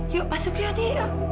yuk masuk yuk indi